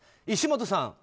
石本さん。